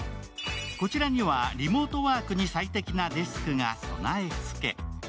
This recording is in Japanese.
こちらにはリモートワークに最適なデスクが備えつけ。